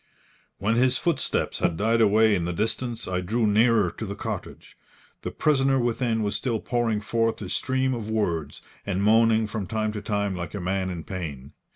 When his footsteps had died away in the distance, I drew nearer to the cottage. The prisoner within was still pouring forth a stream of words, and moaning from time to time like a man in pain.